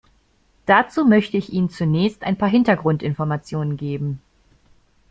Dazu möchte ich Ihnen zunächst ein paar Hintergrundinformationen geben.